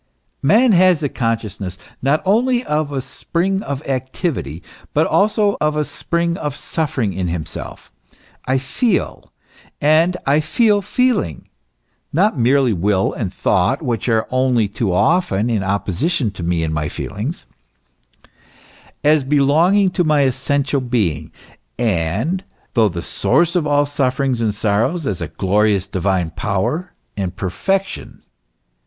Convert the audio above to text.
Man has the consciousness not only of a spring of activity, but also of a spring of suffering in himself. I feel ; and I feel feeling (not merely will and thought, which are only too often in opposition to me and my feelings), as belonging to my essential being, and, though the source of all suffer ings and sorrows, as a glorious, divine power and perfection.